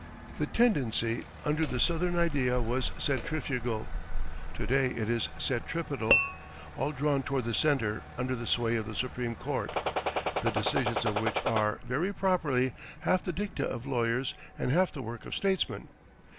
The tendency under the Southern idea was centrifugal. To day it is centripetal, all drawn toward the center under the sway of the Supreme Court, the decisions of which are, very properly, half the dicta of lawyers and half the work of statesmen.